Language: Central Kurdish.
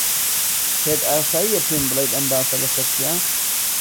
پێت ئاسایییە پێم بڵێیت ئەم باسە لەسەر چییە؟